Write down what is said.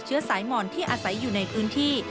เชื้อสายหมอนที่อาศัยอยู่ในพื้นที่